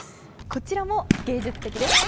こちらも芸術的です。